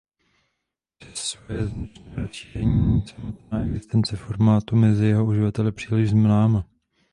Přes svoje značné rozšíření není samotná existence formátu mezi jeho uživateli příliš známa.